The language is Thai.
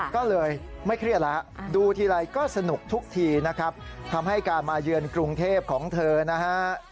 ก็เลยไม่เครียดแล้วดูทีไรก็สนุกทุกทีนะครับทำให้การมาเยือนกรุงเทพของเธอนะฮะ